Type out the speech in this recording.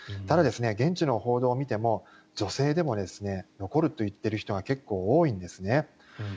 ただ、現地の報道を見ても女性でも残ると言っている人が結構、多いんですね。